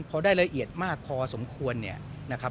พอได้ละเอียดมากพอสมควรเนี่ยนะครับ